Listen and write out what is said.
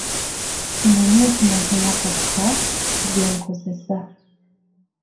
Kimanye nti mazima gokka ge nkozesa.